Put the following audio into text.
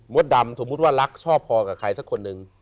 ดำสมมุติว่ารักชอบพอกับใครสักคนหนึ่ง